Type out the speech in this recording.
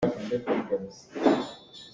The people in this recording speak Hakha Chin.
Mifim thiam a si hnga maw?